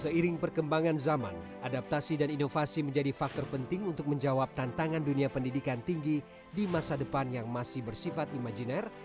seiring perkembangan zaman adaptasi dan inovasi menjadi faktor penting untuk menjawab tantangan dunia pendidikan tinggi di masa depan yang masih bersifat imajiner